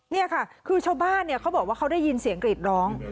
นี่ค่ะคือชาวบ้านเขาบอกว่าเขาได้ยินเสียงกรีดร้อง